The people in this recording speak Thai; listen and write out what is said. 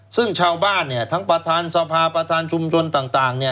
ซึ่งชาวบ้านทั้งประธานสภาประธานชุมชนต่าง